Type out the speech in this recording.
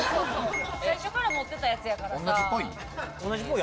最初から持ってたやつやからさ・同じポイ？